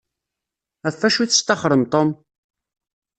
Ɣef acu i testaxṛem Tom?